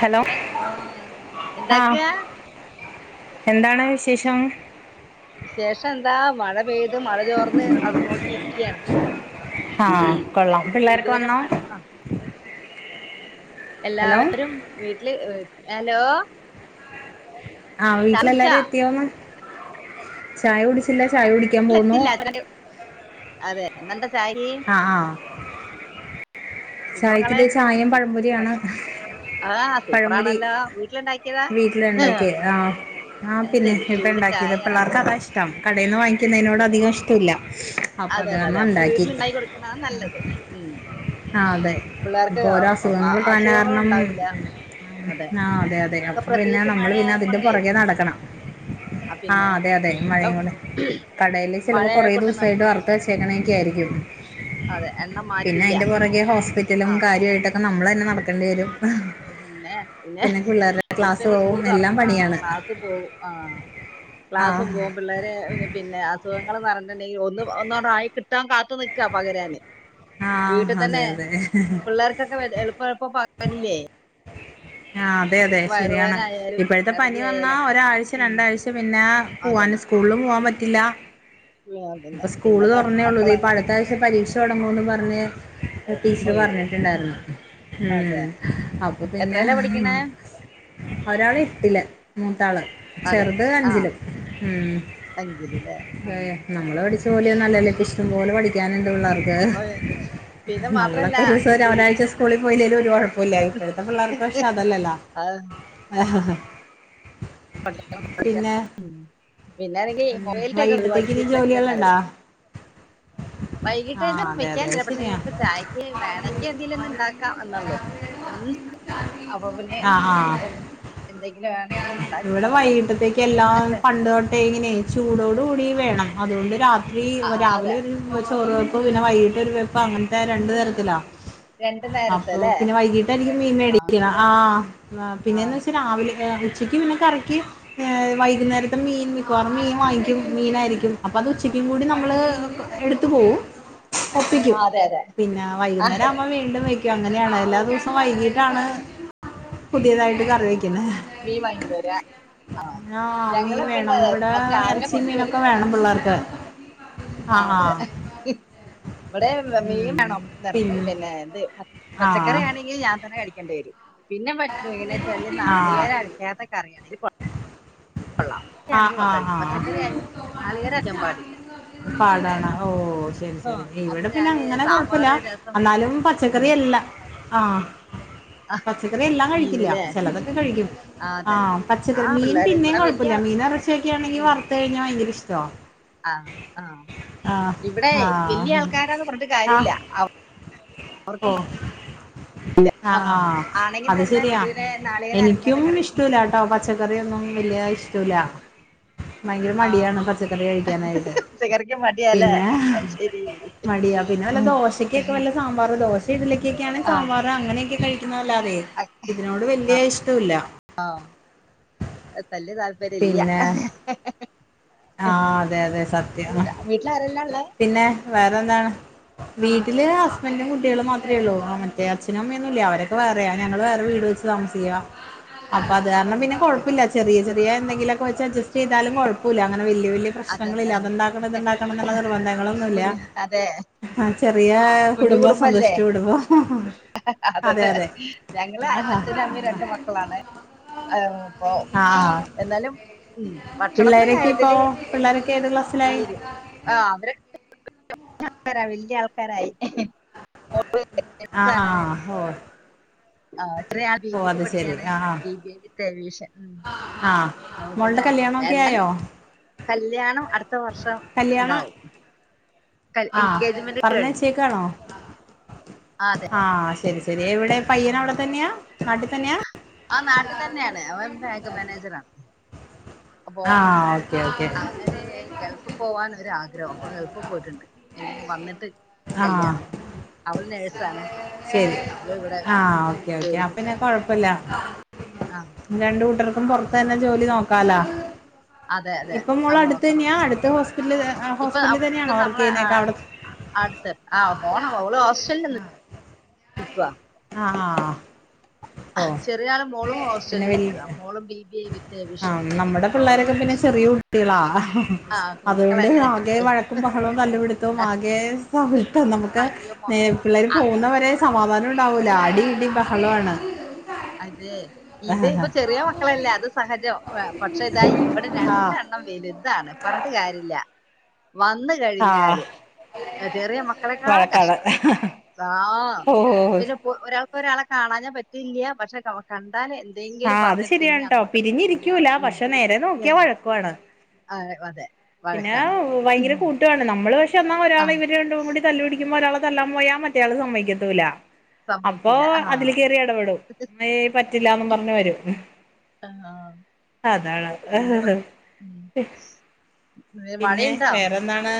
Hello ആ എന്താക്കാ എന്താണ് വിശേഷം? ശേഷം എന്താ മഴ പെയ്ത് മഴ ചോറ ആ കൊള്ളാം ഇത് പിള്ളർഒകൊ ഇതുവരെ വന്നോ. മ- ആ ഹലോ എല്ലാവരും വീട്ടില് ഇഹ് ഹലോ ആഹ് ചായ കുടിച്ചാ വീട്ടിലെല്ലാരും എത്തിയോന്ന്. ചായ കുടിച്ചില്ല ചായ കുടി ഇല്ലത്തില്ല അ അതെ ഇന്നെന്താ ചായി ചായക്കിതേ ചായയും പഴംപൊരിയാണ് ആ പഴംപൊരി സൂപ്പറാണല്ലോ വീട്ടിലുണ്ടാക്കിയതാ വീട്ടിലെണ്ടാക്കിയേ ആഹ് ആഹ് അത് പിന്നെ ശരി ചൂട് ഇപ്പണ്ടാക്കിയത് ചായ പിള്ളേർക്ക് അതാ ഇഷ്ട്ട കടേന്ന് വാങ്ങിക്കുന്നതിനോട് അതെ അധികം ഇഷ്ടല്ല അപ്പൊ അത് കാരണം ഇണ്ടാക്കി ആ നല്ലത് ഉം ആ അതെ പിള്ളേർക്ക് ഓരോ അ- അസുഖങ്ങളെക്കോ വന്ന അസുഖങ്ങളും കാരണം ഉണ്ടാവൂല അതെ ആ അതെ അതെ അ ഇപ്പൊ പിന്നെ പ്രത്യേകിച്ച് നമ്മള് പിന്നെ മഴയായനെ അതിന്റെ കൊണ്ടേ പുറകെ നടക്കണം ആ അതെ അതെ മഴയും കൂടെ കടേല് ചിലപ്പോ മഴയായനെ കൊറെേ കൊണ്ട് ദിവസമായിട്ട് നമുക്ക് വറുത്ത ഉം വച്ചേക്കണ ആയിരിക്കും അതെ എണ്ണം മാറ്റില്ല പൊറകെ ഹോസ്പിറ്റലും ആ കാര്യമായിട്ടൊക്കെ നമ്മള് തന്നെ നടക്കണ്ടി വരും പിന്നെ പിന്നെ പിള്ളേരുടെ ഇന്ന് ക്ലാസ് തന്നെ പോവും സ്കൂള് എല്ലാം തൊറന്ന് ആ പണിയാണ് ക്ലാസ് പോകും ആഹ് ക്ലാസ്സും ആഹ് പോകും പിള്ളേര് പിന്നെ അ - അസുഖങ്ങള് എന്ന് അറിഞ്ഞെന്നുണ്ടെങ്കിൽ ഒന്ന് ഒന്നു യോണ്ട് ആയി കിട്ടാൻ കാത്തു നിൽക്കുവാ പകരാന് ആഹ് വീട്ടിൽ അതെ തന്നെ അതെ പിള്ളേർക്കൊക്കെ എളുപ്പം എളുപ്പം പകരില്ലേ ആഹ് അതെ അതെ ശരിയാണ് വയറുവേനായാലും ഇപ്പഴത്തെ ഛർദി പനി വന്നാ ആയാലൊക്കെ ഒരാഴ്ച ഉം രണ്ടാഴ്ച പിന്നെ പോവാൻ- സ്കൂളിലും പോകാൻ പറ്റില്ല ആ അത് തന്നെ പിന്നെത്തെ മക്കള് അങ്ങ് - പക്ഷെ പരീക്ഷ തൊടങ്ങുംയെന്ന് പറഞ്ഞ് ടീച്ചറ് ഒയ്യോ പറഞ്ഞിട്ടുണ്ടായിരുന്നു ഉം അതെ അപ്പൊ പിന്നെ- എത്രയിലാ പഠിക്കണേ ഒരാള് എട്ടില് മൂത്താള് അതെ ചെറുത് ആ അഞ്ചിലും ഉം അഞ്ചിലല്ലേ ആ അതെ നമ്മള് പഠി- ജോലിയൊന്നും അല്ലല്ലോ ഇപ്പ ഇഷ്ടം പോലെ പഠിക്കാനുണ്ട് പിള്ളേർക്ക് ഓ, അതെ പിന്നെ മാത്രല്ല നമ്മളൊക്കെ ഒരു ഇത് ദിവസം ഒരാഴ്ച ഇതിപ്പോ സ്കൂളിൽ പോയില്ലേലും ഒരു കൊഴപ്പമില്ലായിരുന്നു ഇപ്പോഴത്തെ പിള്ളേർക്ക് പക്ഷെ അത് അല്ലല്ലോ ആഹ [unintelligible] ആഹ ഹഹ [unintelligible] പിന്നെ ആണെങ്കിൽ മൊബയിലിനെയൊക്കെ വൈകിട്ടത്തേക്ക് ഇനി ഒഴിവാക്കിട്ട് ഏറ്റവും നല്ലത് ജോലികളുണ്ടാ വൈകിട്ട് ആഹ് അതെ അതെ അത് വെക്കാനില്ല ശരിയാ പക്ഷെയിപ്പ ചായക്ക് വേണങ്കിൽ എന്തെലും ഒന്ന് ഇണ്ടാക്കാം എന്നൊള്ളു ഉം അപ്പ പിന്നെ- ആഹ് ആഹ് എന്തെങ്കിലും വേണെങ്കിലും ഒന്ന് ഇവിടെ ഉണ്ടാക്കാന്നല്ലോ വൈകിട്ടത്തേക്ക് എല്ലാം അച്ഛൻ പണ്ട് തൊട്ടേ ഇങ്ങനെ- ചൂടോട് കൂടി വേണം അതുകൊണ്ട് രാത്രി ആ ആ രാവിലെ അതെ ഒരു ചോറ്- ഇപ്പ പിന്നെ വൈകിട്ട് ഒരു വെപ്പ് അങ്ങനത്തെ രണ്ടു തരത്തിലാ രണ്ടു നേരത്തെ അപ്പൊ അല്ലേ പിന്നെ വൈകീട്ടായിരിക്കും മീൻ ആ മേടിക്കണ ആഹ് ആഹ് ആ പിന്നെ എന്ന് വെച്ചാ രാവിലെ ഉച്ചയ്ക്ക് പിന്നെ കറിക്ക്- വൈകുന്നെരത്തെ മീൻ മിക്കവാറും മീൻ വാങ്ങിക്കും മീനായിരിക്കും അപ്പൊ അത് ഉച്ചയ്ക്കും കൂടി നമ്മള്- എടുത്തു പോകും ആ ഒപ്പിക്കും അതെ അതെ പിന്നെ ആ വൈകുന്നേരം അമ്മ വീ - വീണ്ടും വെക്കും അങ്ങനെയാണ് എല്ലാ ദിവസവും വൈകീട്ടാണ് പുതിയതായിട്ട് കറി വെയ്ക്കുന്നെ മീൻ വാങ്ങികൊണ്ട് വരാ ആഹ് മീൻ ഞങ്ങള് പിന്നെ വേണം ഇവിടെ അത് രാവിലെ എറച്ചി കൊണ്ടുവരും മീനൊക്കെ വേണം പിള്ളേർക്ക് ആഹ് ആഹ് ഇവിടേം മീൻ വേണം നെറച്ച് പിന്നെ ഇത്- ആ പച്ചക്കറി ആണെങ്കിൽ ഞാൻ തന്നെ കഴിക്കേണ്ടി വരും പിന്നെ പറ്റു എങ്ങനെ വെച്ചാല് ആ നാളികേരം അര - ഏതൊക്ക അറിയാണ് [unintelligible] കൊള്ളാം ആഹ് ആഹ് ആഹ് നാളികേരം അരക്കാൻ പാടില്ല പാടാണ് ഓഹ് ശരി ആഹ് ശരി അപ്പൊ ഇവിടെ പിന്നെ ഞാന് അങ്ങനെ കൊഴപ്പില്ല സാമ്പാറ് രസം എന്നാലും- പച്ചക്കറിയല്ല ആ ആഹ് പച്ചക്കറി എല്ലാം കഴിക്കില്ല മീന്ല്ലേ ചിലതൊക്കെ കഴിക്കും ആഹ് ആ അതെ പച്ചക്കറി ആഹ് മീൻ പിള്ളേര് പിന്നേയും ഇവിടെ കുഴപ്പി വല്യ ല്ല ആൾ മീൻ ഇറച്ചിയൊക്കൊണെങ്കി ഉം വറുത്ത് കഴിഞ്ഞാ ഭയങ്കര ഇഷ്ടാ ആഹ് ആഹ് ഇവിടെ വല്യ ആൾക്കാരാന്ന് പറഞ്ഞിട്ട് ആ ആ കാര്യില്ല അവ ഓ ആഹ് ആഹ് ആണെങ്കി അത് തന്നെ ശെരിയാ ഇതുവരെ നാളികേരം അരക്കാത്ത എനിക്കും കറി ഇഷ്ട്ടോലട്ടോ പ ച്ചക്കറിയോന്നും വല്യ ഇഷ്ടവില്ല ഭയങ്കര ആഹ് മടിയാണ് പച്ചക്കറി കഴിക്കാനായിട്ട് പച്ചക്കറിക്ക് മടിയാല്ലേ പിന്നെ അത് ശരി മടിയാ പിന്നെ വല്ല ദോശക്കൊക്കെ വല്ല സാമ്പാർ ദോശ ഇടലിക്കൊക്കെയാണ് ആഹ് സാമ്പാർ അങ്ങനെയൊക്കെ കഴിക്കുന്നതല്ലാതെ ഇതിനോട് വല്യ ഇഷ്ടവില്ല ആഹ് വല്ല്യ താല്പര്യ ഇല്ല്യ ആഹ് അതെ അതെ സത്യം ആരെല്ലാം ഉള്ളേ പിന്നെ വേറെന്താണ് വീട്ടില് ഹസ്ബൻഡും കുട്ടികളും മാത്രേ ഉള്ളൂ മറ്റേ അച്ഛനമ്മയൊന്നുവില്ല അവരൊക്കെ വേറെയാ ഞങ്ങൾ വേറെ വീട് വെച്ച് താമസിക്കുവാ അപ്പൊ അത് കാരണം ഓഹ് പിന്നെ കൊഴപ്പോല്ല ചെറിയ ചെറിയ എന്തെങ്കിലൊക്കെ വച്ച് അഡ്ജസ്റ്റ് ചെയ്താലും കുഴപ്പോല്ല അങ്ങന വല്യ വല്യ പ്രശ്നങ്ങളില്ല അതന്നെ അതുണ്ടാക്കണം ഇതുണ്ടാക്കണം എന്നുള്ള നിർബന്ധങ്ങളൊന്നുല്ല കുഞ്ഞ് അതെ ചെറിയ കുടുംബം സന്തുഷ്ട കുടുംബം അതെ അതെതെ അതെ ഞങ്ങള് ആഹാ അച്ഛനും അമ്മയും രണ്ട് മക്കളാണ് ആഹ് അപ്പൊ ആ ആ എന്നാലും ഭക്ഷണത്തിന്റെ കാര്യത്തില് പിള്ളേരക്കെതു ക്ലാസി തീര് ആഹ് അവര് ഒക്കെ വല്യ വല്യ ആൾക്കാരായി ആ ആഹാ ഓഹ് ആഹ് ഒരാൾ ബിബി പഠിക്കണ് ബി ബി എ വിത്തെ ഏവിയേഷൻ ആഹ് അപ്പോ മോളുടെ പിന്നെ കല്യാണൊക്കെ എന്നാലും ആയോ കല്യാണം അടുത്ത വർഷം കല്യാണ ഇണ്ടാവും ആഹ് കഴിഞ്ഞു പറഞ്ഞെച്ചേക്കാണോ ആ അതെ ആഹ് ശരി ശരി എവിടെ പയ്യൻ അവിടെ തന്നെയാ നാട്ടിൽ തന്നെയാ ആഹ് നാട്ടിൽ തന്നെയാണ് അവൻ ബാങ്ക് മാനേജറാ അപ്പൊ ആഹ് ഓക്കെ ഓക്കെ അവനൊരു ഗൾഫിൽ പോവാൻ ഒരാഗ്രഹം അപ്പൊ ഗൾഫിൽ പോയിട്ടുണ്ട് ഇനി വന്നിട്ട് ആഹ് കല്യാണം അവള് നേഴ്സാണ് ശരി അവള് ഇവിടെ ഉം ജോലിക്ക് പോന്നുണ്ട് പ്പല്ല ആഹ് രണ്ട് കൂട്ടർക്കും പുറത്തു തന്നെ ജോലി നോക്കാലാ അതെ അതെ ഇപ്പം മോള് അത് അടുത്ത് നോക്കണം തന്നെയാ അടുത്ത് ഹോസ്പിറ്റൽ ഇപ്പൊ ഹോസ്പിറ്റൽ ഇപ്പൊ തന്നെയാണോ വർക്ക് നമ്മളെ ചെയ്യുന്നേക്ക അവിടെ അടുത്ത് ആഹ് പോണ ഓള് ഹോസ്റ്റലിൽ നി നിക്കുവാ ആഹ് ആഹ് ഓഹ് [unintelligible] മോളും ഹോസ്റ്റലിൽ നിക്കുക മോളും ബി ബി എ വിത്ത്‌ ആഹ് നമ്മടെ പിള്ളേരൊക്കെ പിന്നെ ചെറിയ കുട്ടികളാ ആ അതുകൊണ്ട് കുഞ്ഞുങ്ങളല്ലേ ആകെ വഴക്കും ബഹളോം തല്ല്പിടുത്തവും ആകെ [unintelligible] നമുക്ക് അയ്യോ മോ പിള്ളേർ ആ, പോകുന്നവരെ സമാധാനം ഉണ്ടാവുല്ല അടി ഇടി ബ അതെ ഇത് ഇപ്പൊ ആഹ് ചെറിയ മ മക്കളല്ലേ അത് സഹജം പക്ഷെ ഇതാ ഇവിടെ രണ്ടെണ്ണം വലുത് താണ് പറഞ്ഞിട്ട് കാര്യല്ല വന്ന് ആഹ് കഴിഞ്ഞാല് ചെറിയ മക്കളെക്കാളും വഴക്കാണ് കഷ്ടാ ആഹ് ഓ പിന്നെ ഒരാൾക്ക് ഒരാളെ കാണാനാ പറ്റൂല്ല പക്ഷെ കണ്ടാൽ എന്തെ ആഹ് അത് ശെരിയാണുട്ടോ പിരിഞ്ഞിരിക്കൂല പക്ഷെ നേരെ നോക്കിയാ വഴക്കുവാണ് അതെ അതെ പിന്നെ വഴക്കാണ് ഭയങ്കര ഉം. കൂട്ടുവാണ് നമ്മള് പഷെ എന്നാൽ ആ ഒരാളെ ഇവര് രണ്ടെരൂടി തല്ല് പിടിക്കുമ്പോ ഒരാളെ തല്ലാൻ പോയാ മറ്റയാള് സമ്മതിക്കത്തൂല്ല അപ്പോ സമ്മതിക്കില്ല ആ അതില് കയറി എടപെടും ഏഹ് പറ്റുല്ലാന്ന് പറഞ്ഞ് വരും ആഹ് അതാണ് പിന്നെ പറ ഉം പിന്നെ വേറെന്താണ്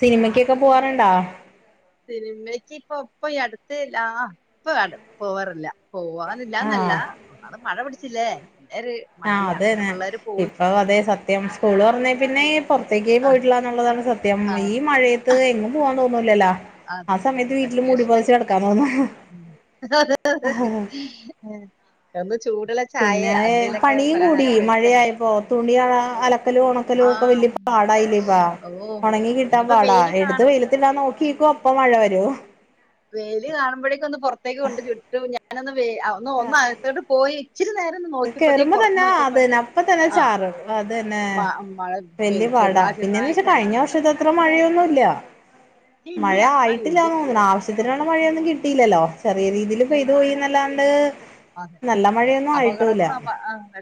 സിനിമക്കൊക്ക പോവാറുണ്ടാ സിനിമക്ക് ഇപ്പൊ ഇപ്പൊ ഈ അടുത്ത് ലാ ഇപ്പോ പോവാറില്ല പോവാന്നില്ലാന്നല്ല ആഹ് അത് മഴ പിടിച്ചില്ലേ പിന്നെര് മടിയാ പിന്നെ പിള്ളേര് പോ ഓ അതേ സത്യം സ്കൂള് തുറന്നെ പിന്നെ പുറത്തേക്ക് ആ പോയിട്ടില്ല എന്നുള്ളതാണ് സത്യം ആ ഈ മഴയത്ത് എങ്ങും പോവാ തോന്നൂലല്ലോ ആ അതന്നെ സമയത്ത് വീട്ടില് മൂടി വെക്കേഷന പൊതച്ച് കെടക്കാൻ ആഹ് സമയത്ത് തോന്നും [unintelligible] [unintelligible] പിന്നെ എന്തേലൊക്കെ പണിയും കൂടി പലഹാരം കഴിച്ച് അങ്ങനെ മഴയായപ്പോ കിടക്കാം തുണി അലക്കലും ആ ഒണക്കലോക്കെ വലിയ ഉം. പാടായില്ലേ ഇപ്പാ ഓ ഒണങ്ങി കിട്ടാൻ ഇനിയിപ്പോ പാടാ വെയില് എടുത്ത് കാണും വെയിലത്തിടാ നോക്കിക്കും അപ്പ മഴ വരും വെയില് കാണുമ്പോഴേക്ക് ഒന്ന് പൊറത്തേക്ക് കൊണ്ട് ചുട്ടു ഞാനൊന്ന് വെയ് അ ഒന്നകത്തോട്ട് പോയി ഇച്ചിരി നേര ഒന്ന് നോക്കിയപ്പോത്തേ കേറുമ്പോ പൊറത്ത് തന്നെ നോക്കിയപ്പണ്ട് അതന്നെ അപ്പ തന്നെ ആഹ് ചാറും അതന്നെ വല്യ പാടാ ചെറുതാ പിന്നെന്ന് ചെറുതായി വച്ചാ കഴിഞ്ഞ ചന്നമിന്നം വർഷത്തെ പെയ്തു അത്ര മഴയൊന്നുംല്ല ഇല്ല മഴ ഇല്ല ആ ആയിട്ടില്ല തോന്നണു ഇടിക്കൊക്കെ ആവശ്യത്തിനുള്ള കുറവുണ്ട് മഴയൊന്നും കിട്ടിലല്ലോ ചെറിയ രീതിയിൽ പെയ്ത് ഇല്ലല്ല പോയിന്നല്ലാ അതെ നല്ല അതെ മഴയൊന്നും ആയിട്ടൂല്ല അപകടങ്ങളും അപ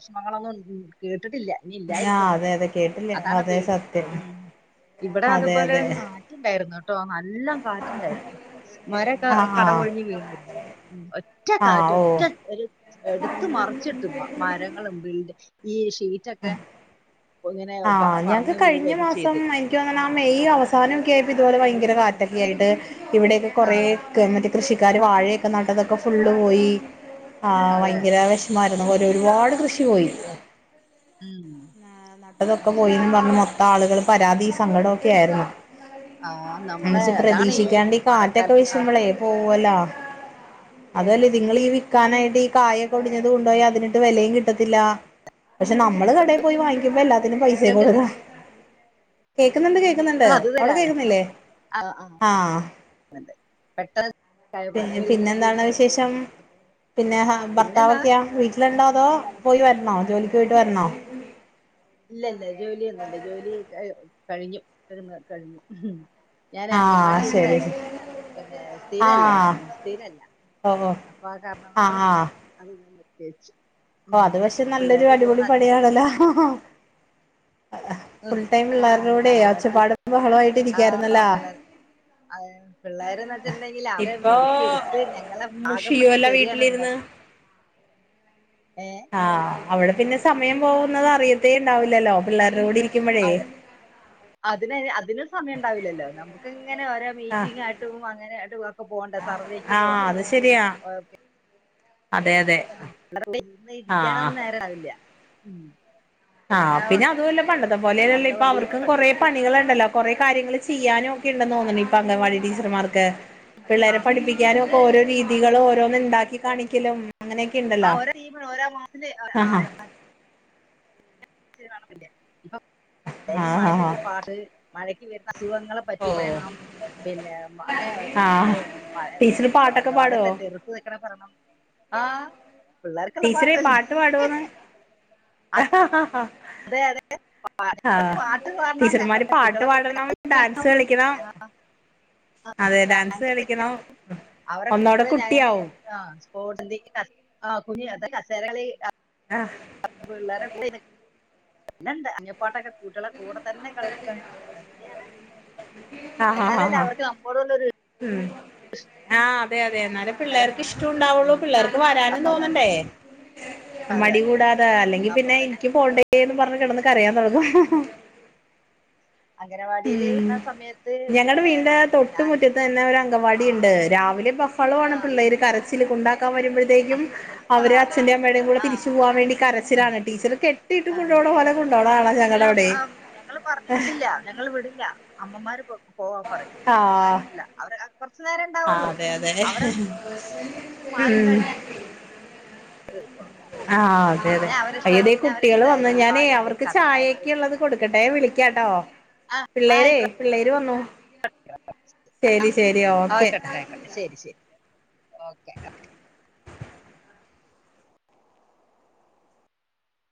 [unintelligible] കേട്ടിട്ടില്ല ഇനി ഇല്ലാ ആ ഇരിക്കട്ടെ അതെ അതെ കേട്ടില്ല അതാണ് അതെ പേടി സത്യം ഉം ഇവിടെ അതെ അതുപോലെ അതെ കാറ്റ്ണ്ടായിരുന്നു ട്ടോ നല്ല കാറ്റുണ്ടായിരുന്നു മരക്കെ ആ ആ കടപൊഴിഞ്ഞ് വീണരുന്നു ഒറ്റ കാറ്റ് ആഹ് ഓ ഒറ്റ എടുത്ത് മറിച്ചിട്ട് മരങ്ങളും ബിൽ ഈ ഷീറ്റൊക്കെ ഇങ്ങനെ ആഹ് ഞങ്ങക്ക് പറന്ന് കഴിഞ്ഞ വീഴയൊക്കെ മാസം ചെയ്ത് എനിക്ക് തോന്നണ ആ മെയ് അവസാന ഒക്കെ ആയിപ്പൊ ഇതുപോലെ ഭയങ്കര കാറ്റൊക്കെ ആയിട്ട് ഇവിടെയൊക്കെ കൊറേ ആഹ് മറ്റേ കൃഷിക്കാര് വാഴയൊക്കെ നട്ടതൊക്കെ ഫുള്ള് പോയി ആഹ് അതെ ഭയങ്കര വിഷ [unintelligible] ഒരുപാട് കൃഷി പോയി ഉം നട്ടതൊക്കെ അത് പോയിന്ന് ശരി പറഞ്ഞ് മൊത്തം അതെ ആളുകൾ പരാതി സങ്കടൊക്കെ ആയിരുന്നു ആഹ് നമ്മളെ എന്നുച്ച അതാണ് പ്രതീക്ഷിക്കാണ്ട് ഈ കാറ്റൊക്കെ മഴക്കാലത്ത് ആഹ് വീശുമ്പളെ പോവൊല്ലാ അതൊല്ലാ ഇതിങ്ങളി വിൽക്കാനായിട്ട് ഈ കായൊക്കെ ഒടിഞ്ഞത് കൊണ്ടുപോയ അതിനൊട്ട് വിലയും കിട്ടത്തില്ല പഷെ നമ്മള് കടയിൽ പോയി വാങ്ങിക്കുമ്പോ എല്ലാത്തിനും പൈസ ഒക്കെ കേട്ടില്ലേ കൊടുക്കണം കേക്കുന്നുണ്ട് കേ കേക്കുന്നുണ്ട് ആഹ് അത് അവിടെ തരാണ് കേക്കുന്നില്ലേ ആഹ് പെട്ടെന്ന് ആയ പോലെ പിന്നെ പിന്നെ ഒരു- എന്താണ് വിശേഷം പിന്നെ ഹ പിന്നെന്താ ഭർത്താവൊക്കെയാ വീട്ട് വീട്ടിലുണ്ടോ അതോ പോയി വരണോ ജോലിക്ക് പോയിട്ട് വരണോ ഇല്ല ഇല്ല ജോലിയൊന്നുമില്ല ജോലി കഴിഞ്ഞു [unintelligible] കഴിഞ്ഞു ഞാന് അംഗൻവാടി ആഹ് ശരി ടീച്ചറായിരുന്നു പിന്നെ ആഹ് സ്ഥിരല്ലായിരുന്നു സ്ഥിരല്ല ഓ ഓ അപ്പൊ ആ കാരണം കൊണ്ട് ആഹ് ആഹ് [unintelligible] ഓ അത് പഷെ ഇപ്പൊ നല്ലൊരു പിള്ളേര് അടിപൊളി പോകുന്ന പണിയാണല്ലോ ഫുൾ ടൈം പിള്ളേർടകൂടെ അംഗനവാടി ടീച്ചർ ഒച്ചപ്പാടും ബഹളായിട്ട് ആ ഇരിക്കായിരുന്നല്ലാ പിള്ളേര് എന്ന് വെച്ചിട്ടുണ്ടെങ്കിൽ അവരെ ഇപ്പൊ മെരുക്കി എടുത്ത് ഞങ്ങള്‌ പാകപ്പെടുത്തി മുഷിയുവല്ല തരിയാണ് വീട്ടിലിരുന്ന് നിങ്ങൾക്ക് ഏഹ് ആഹ് അവിടെ പിന്നെ സമയം പോകുന്നത് അറിയത്തേ ഉണ്ടാവില്ലല്ലോ പിള്ളേരുടെ കൂടെ ഇരി അതിന് അതിന് സമയം ഉണ്ടാവില്ലല്ലോ നമുക്ക് ഇങ്ങനെ ഒരോ ആഹ് മീറ്റിങ്ങായിട്ടും അങ്ങനെയായിട്ടുംക്കെ പോണ്ടേ സർവേക്ക് ആഹ് പോണം അത് ശരിയാ പി അതെ അതെ [unintelligible] ആഹ് ഇരിക്കാനൊന്നും നേരണ്ടാവില്ല ആഹ് പിന്നെ അതുമല്ല പണ്ടത്തെ പോലെയല്ലല്ലോ നമ്മളെ ഇപ്പൊ എന്തെങ്കിലും അവർക്കും കുറേ പഠിപ്പിക്കാൻ പണികളുണ്ടല്ലോ കുറെേ കാര്യങ്ങള് ചെയ്യാനും ഒക്കെ ഉണ്ടെന്ന് തോന്നണ് അംഗവാടി ചെയ്യണ്ട. ടീച്ചർമാർക്ക് ആ പിള്ളേരെ ആ, പഠിപ്പിക്കാനും അതെ ഒക്കെ ഓരോ ഞാൻ രീതികൾ ഓരോന്ന് ഉണ്ടാക്കി കാണിക്ക [unintelligible] [unintelligible] ഒരേ മാസത്തില് ആഹാ ആഹ് ക്ഷേ നടന്നില്ല. [unintelligible] ആഹ് മയെ ആഹ് പറ്റി പാട്ട്, മഴക്ക് വരുന്ന അസുഖങ്ങളെ പറ്റി ഓ [unintelligible] പിന്നെ, അങ്ങനെ ആഹ് നമ്മളെയ് മഴ, ടീച്ചർ പാട്ടൊക്കെ പാടുവോ രോഗത്തെ ചെറുത്ത് നിൽക്കണ പറണം. ആഹ്. പിള്ളേർക്കല്ലാം ടീച്ചറെ പാട്ടല്ലെ. ! പാട്ട് പാടുവോന്ന് [unintelligible] അതെ അതെ പാട്ട് ആഹ് പാട്ട് പാടണം ടീച്ചർമാര് ഞങ്ങള പാട്ട് കുട്ടികളെ കൂട്ടത്തിൽ പാടണം ഡാൻസ് കളിക്കണം കളിക്കണം ആഹ അതെ ഡാൻസ് കളിക്കണം ഒന്നൂടെ കുട്ടിയാവും ആഹാ [unintelligible] [unintelligible] കസേരകളി ആ ആഹ് [inaudible] പിന്നെന്താ [unintelligible] കുട്ടിളെ കൂടെ തന്നെ കളിക്കണ് [unintelligible] എന്നാലല്ലേ അവർക്ക് നമ്മോട് ഉംമ് ആഹാ അതെ അതെ എന്നാലും പിള്ളേർക്ക് ഇഷ്ടും ഉണ്ടാവൊള്ളൂ പിള്ളേർക്ക് വരാനും തന്നെ തോന്നണ്ടേ? അതെ മടി കൂടാതെ അല്ലെങ്കി പിന്നെ ഇൻക്കി പോണ്ടേന്നും പറഞ്ഞ് കെടന്ന്ക്കരയാൻ തൊടങ്ങും അംഗനവാടില് ഉം വിട്ന്ന സമയത്ത് പിന്നെ ഞാൻ അട്ത്തന്നെ ഒരഅങ്കവാടിണ്ട് രാവിലെ ബഹ്ളവാണ് ആ പിള്ളേര് കരച്ചില് കുണ്ടാക്കാൻ വരുമ്പോഴ അപ്പഴത്തേക്കും ആ അവര് അതെ അച്ഛന്റെം അമ്മേടെം കൂടെ തിരിച്ചു ആഹ് പോവാം വേണ്ടി കരച്ചിലാണ് ടീച്ചറ് ക്കെട്ടീട്ട് ആഹ് കൊണ്ടോണ പോലെ കൊണ്ടോണകാണാ അല്ല ഞങ്ങൾടെ അവിടെ ഞങ്ങള് പറഞ്ഞു വിടില്ല ഞങ്ങള് വിടില്ല അമ്മമാര് പോവാം പറിയും ഞങ്ങള്‌വിട്ല്ല അവര് കൊറച്ചു നേരേണ്ടാവൊള്ളു ആഹ അതെ അതെ ഉമ് മാറിക്കഴിഞ്ഞായിക്കോളും [unintelligible] ആഹാ അതെ അതെ പിന്നെ അവരിഷ്ട ഇതേ പിന്നെ കുട്ടികള് വന്ന് അവരിഷ്ടായി ഞാനേ പാലായി അവർക്ക് കടലായിട്ട് ചായേക്കിള്ളത് ഫുഡൊടുക്കട്ടെ വിളിക്കാട്ടോ ആഹ് പിള്ളേരേ പിള്ളേര് വന്നു ആഹാ ശരി ശരി ഓക്കെ ഓയിക്കോട്ടെ ആയിക്കോട്ടെ ശെരി ശെരി ഓക്കെ ഓക്കെ